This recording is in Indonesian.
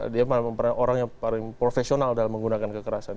dia orang yang paling profesional dalam menggunakan kekerasan